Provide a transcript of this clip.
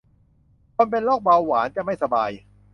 คนเป็นโรคเบาหวาน จะไม่สบาย